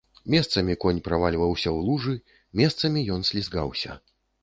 Месцамі конь правальваўся ў лужы, месцамі ён слізгаўся.